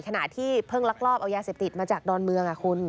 ขณะที่เพิ่งลักลอบเอายาเสพติดมาจากดอนเมืองคุณ